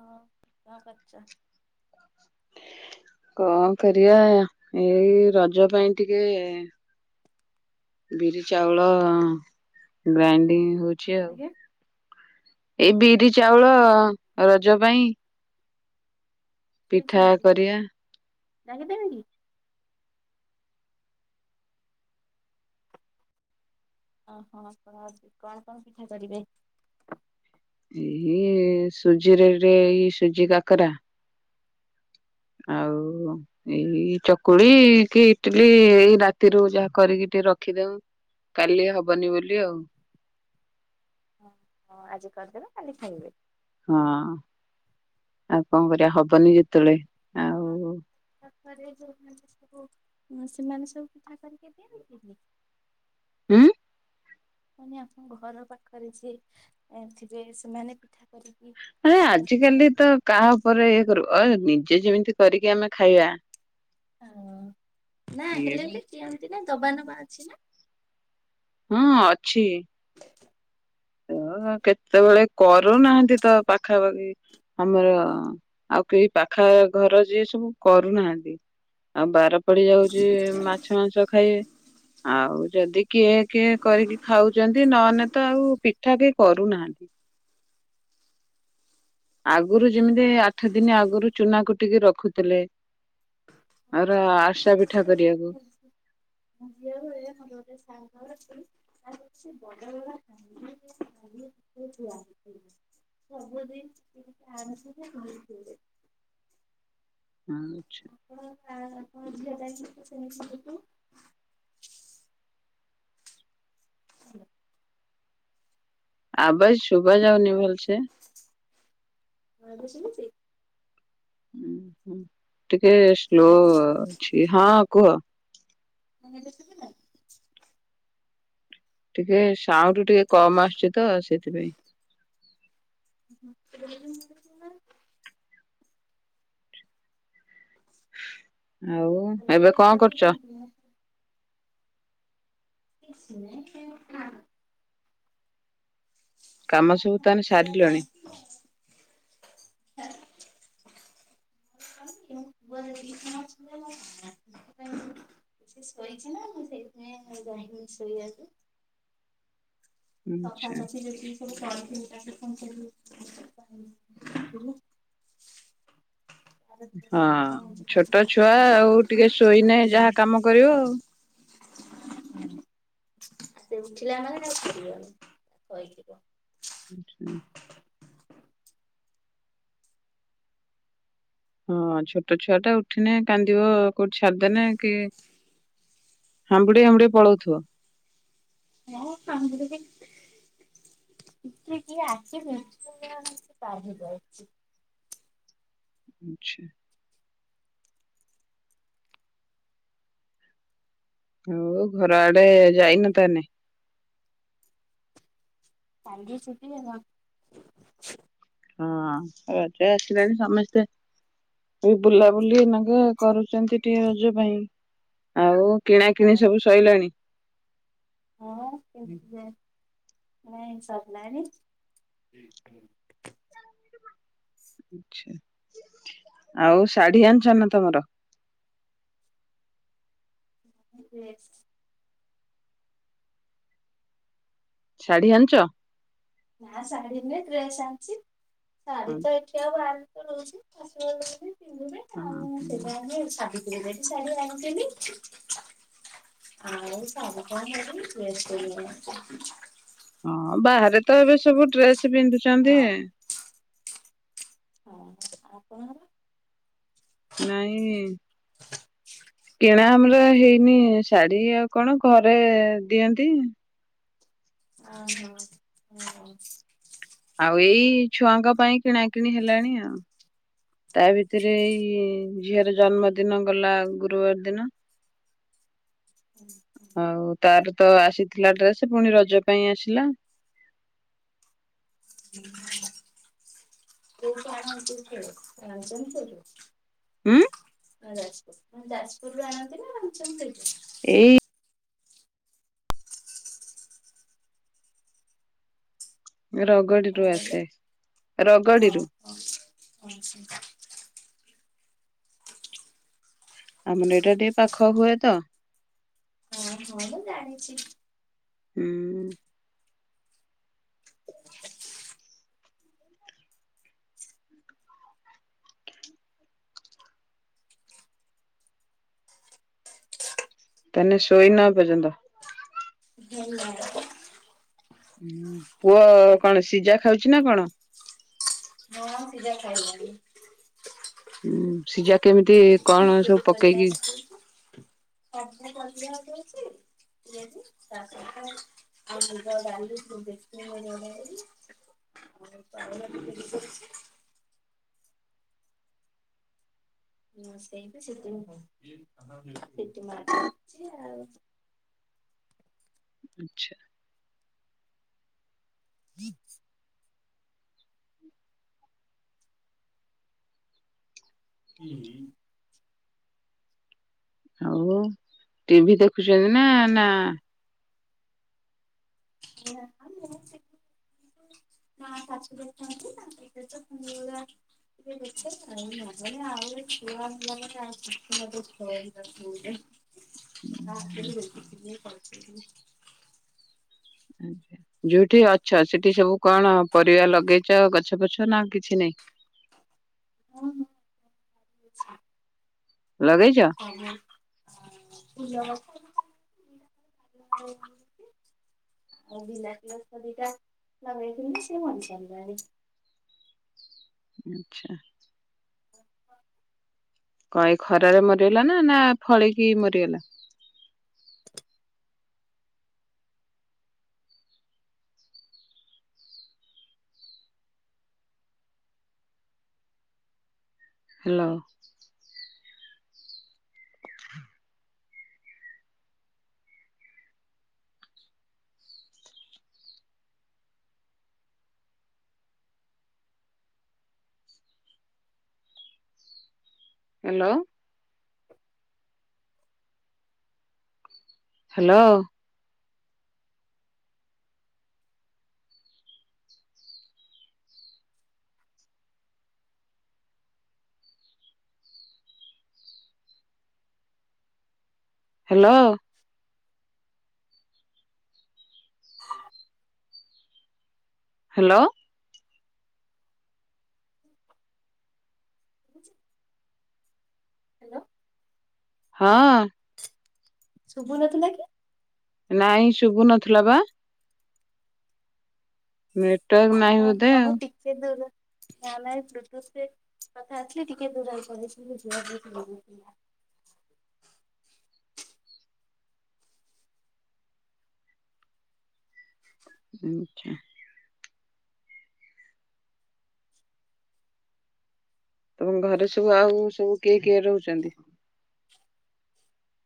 ହଁ କଣ କରୁଛ? [inaudible] କଣ କରିବା ଏଇ ରଜ ପାଇଁ [inaudible] ଟିକେ ବିରି ଚାଉଳ ଗ୍ରାଇଣ୍ଡିଙ୍ଗ ହଉ ଛି ଆଉ ଆଜ୍ଞା ଏଇ ବିରି ଚାଉଳ ରଜ ପାଇଁ ପିଠା କରିଆ ଡାକି ଦେବିକି? ଓହୋ କଣ ହଉଛି କଣ କଣ ପିଠା କରିବେ? ଏଇ ସୁଜିରେରେ ଏଇ ସୁଜି କାକରା ଆଉ ଏଇ ଚକୁଳି କି ଇଟିଲି ଏଇ ରାତିରୁ ଯାହା କରିକି ଟିକେ ରଖିଦଉ କାଲି ହବନି ବୋଲି ଆଉ ହ ହଁ ଆଜି କରିଦେବେ କାଲି ଖାଇବେ। ହଁ ଆଉ କଣ କରିବା ହବନି ଯେତେବେଳେ ଆଉ ସେମାନେ ସବୁ ପିଠା କରିକ ଦଅନ୍ତି? ଉଁ ମାନେ ଆପଣଙ୍କ ଘର ପାଖରେ ଯିଏ ଥିବେ ସେମାନେ ପିଠା କରିକି ଆରେ ଆପଣଙ୍କୁ ଆଜି କାଲି ଦିଅନ୍ତି? ତ କାହା ଉପରେ ଇଏ କରୁ ଅ ନିଜେ ଯେମିତି କରିକି ଆମେ ଖାଇବା। ନା ହେଲେ ବି [unintelligible] ନା। ଦବା ନବା ଅଛି ନା ହଁ ଅଛି। [inaudible] ଓ କେତେବେଳେ କରୁନାହାନ୍ତି ତ ପାଖାପାଖି ଆମର ଆଉ କେହି ପାଖା ଘର ଯିଏ ସବୁ କରୁନାହାନ୍ତି ଆଉ ବାର ପଡି ଯାଉଛି ମାଛ ମାଂସ ଖାଇବେ ଆଉ ଯଦି କିଏ କିଏ କରିକି ଖାଉଚନ୍ତି ନହେଲେ ତ ଆଉ ପିଠା କେ କରୁନାହାନ୍ତି ଆଗରୁ ଯେମିତି ଆଠ ଦିନ ଆଗରୁ ଚୁନା କୁଟିକି ରଖୁଥିଲେ ଆର ଆରସା ପିଠା କରିବାକୁ। [unintelligible] ଆଛା। [unintelligible] [unintelligible] ଆବାଜ୍ ଶୁବା ଯାଉନି ଭଲସେ। ହଁ ଏବେ ଶୁଭୁଛି। ହୁଁ ହୁଁ ଟିକେ ସ୍ଲୋ ହ୍ୟାଲୋ ଅଛି ହଁ କୁହ। [unintelligible] ଏବେ ସୁବିଲା। ଟିକେ ସାଉଣ୍ଡୁ ଟିକେ କମ ଆସୁଛି ତ ସେଥିପାଇଁ। [unintelligible] [inaudible] ଆଉ ଭଲ୍ୟୁମ୍ ଏବେ ଟିକେ କଣ ବଢେଇ କରୁଚ। ଦିଅନ୍ତୁ ମୁଁ [unintelligible] କାମ ସବୁ ତାହାଲେ ସାରିଲାଣି। [unintelligible] ସିଏ ଶୋଇଛି ନା ମୁଁ ସେଇଥିପାଇଁ ଯାଇନି ଶୋଇବାକୁ। ସଫା ଆଛା ସଫି ଯେତିକି ସବୁ କ [unintelligible] ହଁ ଛୋଟ ଛୁଆ ଆଉ ଟିକେ ଶୋଇନେ ଯାହା କାମ କରିବ ଆଉ ସେ ଉଠିଲା ମାନେ କହାକୁ ଛାଡିବନି। [unintelligible] [unintelligible] ହଁ ଛୋଟ ଛୁଆ ଟା ଉଠିନେ କାନ୍ଦିବ କୋଉଠି ଛାଡିଦୋନେ କି ହାମ୍ବୁଡି ହାମ୍ବୁଡି ପଳଉଥିବ। [unintelligible] ଆଚ୍ଛା। ଆଉ ଘର ଆଡେ ଯାଇନ ତାହାଲେ। [unintelligible] ହଁ ରଜ ଆସିଲାଣି ସମସ୍ତେ ଏଇ ବୁଲାବୁଲି ଏଇନା କେ କରୁଛନ୍ତି ଟିକେ ରଜ ପାଇଁ। ଆଉ କିଣା କିିଣି ସବୁ ସଇଲାନି। ହଁ [unintelligible] ନାଇଁ ସରିଲାଣି। ଆଛା ଆଉ ଶାଢୀ ଆଣିଛ ନା ତମର [inaudible] ଶାଢୀ ଆଣିଛ? ନା ଶାଢୀ ନୁହେ ଡ୍ରେସ ଆଣିଛି। ଶାଢ଼ୀ ତ ଆଚ୍ଛା ଏଠି ଆଉ ବାହାରୁ ରହୁଛି ଆଶୀର୍ବାଦ ଦଉଚି ପିନ୍ଧୁ ଯେ ଆଉ ହଁ। ସେଥି ପାଇଁ ଆମେ ସାବି ଇଏ ଯାଇକି ଶାଢ଼ୀ ଆଣିଚିନ୍ତି। ଆଉ ଶାଢ଼ୀ [unintelligible] ହଁ ବାହାରେ ତ ଏବେ ସବୁ ଡ୍ରେସ୍ ସେ ପିନ୍ଧୁ ଚନ୍ତି ଇ ହଁ ଆପଣଙ୍କ ର ନାଇଁ କିଣା ଆମର ହେଇନି ଶାଢୀ ଆଉ କଣ ଘରେ ଦିଅନ୍ତି। ଅ ହ ହଁ। ଆଉ ଏଇ ଛୁଆଙ୍କ ପାଇଁ କିଣାକିଣି ହେଲାଣି ଆଉ ତା ଭିତରେ ଏଇ ଝିଅର ଜନ୍ମଦିନ ଗଲା ଗୁରୁବାର ଦିନ। ହୁଁ। ଆଉ ତାର ତ ଆସିଥିଲା ଡ୍ରେସ ପୁଣି ରଜ ପାଇଁ ଆସିଲା। ଉଁ ହୁଁ କୋଉଠୁ ଆଣୁଛନ୍ତି ଡ୍ରେସ [unintelligible] ହୁଁ ହଁ ଯାଜପୁର ଯାଜପୁର ରୁ ଆଣନ୍ତି ନା ଆଣୁଛନ୍ତି ସେଇଠୁ। ଏଇ। କଣ ରଗଡିରୁୁ କହିଲେ? ଆସେ ଓହୋ ରଗଡିରୁୁ। ହଁ ହଁ ଆମର ଏଇଟା ଟିକେ ପାଖ ହୁଏ ତ। ଓ ହ ମୁ ମୁ ଜାଣିଚି। ହୁଁ। [inaudible] ତନେ ଶୋଇନ ଏ ପର୍ଯ୍ୟନ୍ତ। ହଁ। ପୁଅ କଣ ସିଝା ଖାଉଛି ନା କଣ? ହଁ ସିଯା ଖାଇଲାଣି। ହୁଁ ସିଯା କେମିତି କଣ ପିମ୍ପୁଡି ସବୁ ପରିବା ପକେଇକି ସବୁ ପରିବା ଦଉଛି। ପିଆଜି ତା ସହିତ ଆଉ ମୁଗ ଡାଲି ଆଉ ହଁ ସେଇ ସେ ଆଉ ଅଛା। [unintelligible] ହୁଁ, ହୁଁ ଆହୁ ଟିଭି ଦେଖୁଛନ୍ତି ନା, ନା [unintelligible] ନାଁ [inaudible] [inaudible] ଯୋଉଠି ଅଛ ସେଠି ସବୁ କଣ ପରିବା ଲଗେଇଚ, ଗଛ ପଛ ନା କିଛି ନାଇ। ହଁ, ହଁ [inaudible] ଲଗେଇଛ [inaudible] ଆଉ ବିିଲାତିଷ ଦିଟା ଲଗେଇ କେମତି ସେ ବଣିସାରିଲାଣି। ଆଚ୍ଛା। କଣ ଏଇ ଖରାରେ ମରିଗଲା ନା ନା ଫଳିକି ମରିଗଲା। Hello. Hello. Hello. Hello. Hello. Hello. ହଁ। ଶୁଭୁନଥିଲା କି? ନାଇଁ ଶୁଭୁ ନଥିଲା ବା। ନଁ ଏଟା ହଁ ଆଁ ମୁଁ ଟିକେ ଦ ନା ନ ମୃତୁ ସେ କଥା ଆସିଲି ଟିକେ ଦୂରରେ କରିଥିଲ ଯିବା। ଆଚ୍ଛା। ତମ ଘରେ ସବୁ ଆଉ ସବୁ କିଏ କିଏ ରହୁଛନ୍ତି।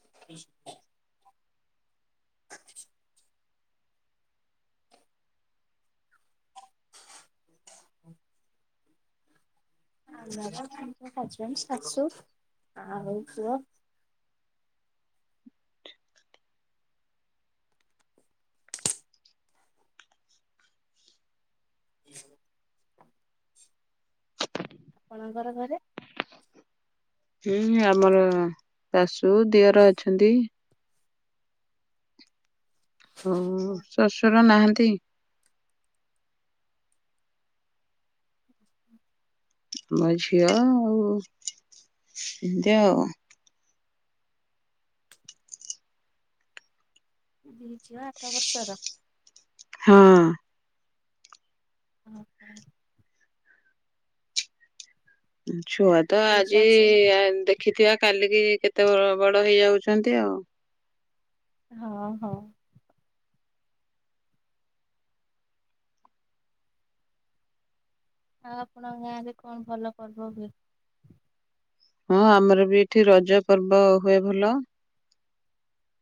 ହ ହସବ୍ୟାଟ ଶାଶୁ ପୁଅ ଆପଣଙ୍କର ଘରେ? ହୁଁ ଆମର ଶାଶୁ ଦିଅର ଅଛନ୍ତି। ଓ ଶ୍ୱଶୁର ନାହାନ୍ତି। ମ ଝିଅ ଆଉ। ହୁଁ। ଆଠ ବର୍ଷର ହଁ। [inaudible] ଛୁଆ ତ ଆଜି ଟିଉସନ ସେ ଦେଖିଥିବା କାଲିକି କେତେ ବଳ ବଡ ହେଇଯାଉଛନ୍ତି ଆଉ। ହଁ ହଁ। ଆଉ ଆପଣଙ୍କ ଗାଁରେ କଣ ଭଲ ପର୍ବ ହୁଏ। ହଁ ଆମର ବି ଏଠି ରଜ ପର୍ବ ହୁଏ ଭଲ।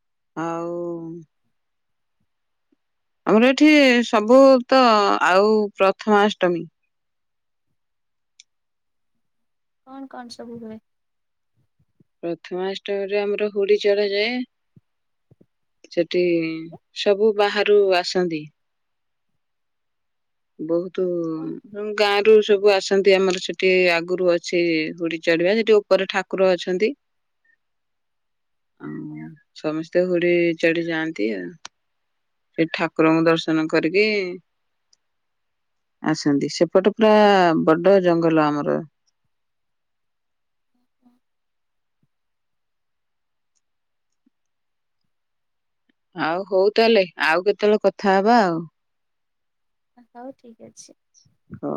ଆଉ। ଆମର ଏଠି ସବୁ ତ ଆଉ ପ୍ରଥମାଷ୍ଟମୀ କଣ କଣ ସବୁ ହୁଏ। ପ୍ରଥମାଷ୍ଟମରେ ଆମର ହୁଳି ଚଢାଯାଏ ସେଠି ସବୁ ବାହାରୁ ଆସନ୍ତି। ବହୁତ କଣ ତ ଗାଁ ରରୁ ସବୁ ଆସ। ଛନ୍ତି ଆମର ସେଠି ଆଗରୁ ଅଛି ହୁଡି ଚଢିବା ସେଠି ଉପରେ ଠାକୁର ଅଛନ୍ତି। ଓହୋ ହଁ ସାମୀ ତେ ହୁଡି ଚଢ ଯାଆନ୍ତି ଆଉ ସେ ଠାକୁରଙ୍କୁ ଦର୍ଶନ କରିକି ଆସନ୍ତି ସେପଟେ ପୁରା ବଡ ଜଙ୍ଗଲ ଆମର [inaudible] ଆଉ ହଉ ତାହେଲେ ଆଉ କେତେବେଳେ କଥା ହବା ଆଉ ହଉ ଠିକ ଅଛି। ହଉ।